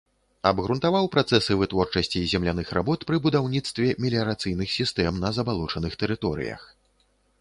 Абгрунтаваў працэсы вытворчасці земляных работ пры будаўніцтве меліярацыйных сістэм на забалочаных тэрыторыях.